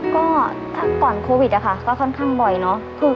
ก็ก่อนโควิดก็ค่อนข้างบ่อยเนอะ